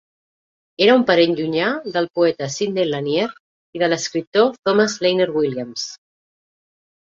Era un parent llunyà del poeta Sidney Lanier i de l'escriptor Thomas Lanier Williams.